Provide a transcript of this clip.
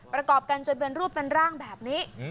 ประกอบกันจนเป็นรูปเป็นร่างแบบนี้